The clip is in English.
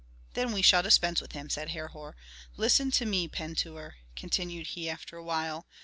"Then we shall dispense with him," said Herhor. "Listen to me Pentuer," continued he, after a while.